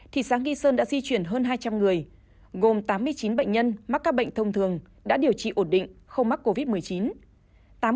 thị xã nghi sơn đã di chuyển hơn hai trăm linh người gồm tám mươi chín bệnh nhân mắc các bệnh thông thường đã điều trị ổn định không mắc covid một mươi chín